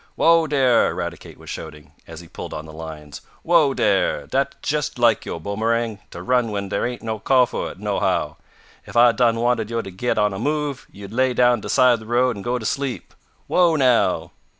"Whoa, dere!" Eradicate was shouting, as he pulled on the lines. "Whoa, dere! Dat's jest laik yo', Boomerang, t' run when dere ain't no call fo' it, nohow! Ef I done wanted yo' t' git a move on, yo'd lay down 'side de road an' go to sleep. Whoa, now!"